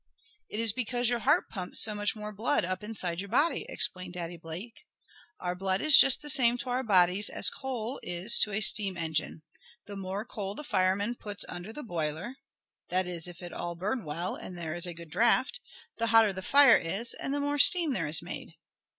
"It is because your heart pumps so much more blood up inside your body," explained Daddy Blake. "Our blood is just the same to our bodies as coal is to a steam engine. The more coal the fireman puts under the boiler (that is if it all burn well, and there is a good draft) the hotter the fire is, and the more steam there is made."